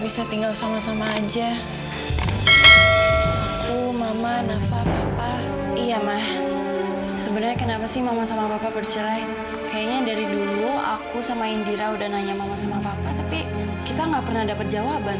saya sudah nanya mama sama papa tapi kita gak pernah dapat jawaban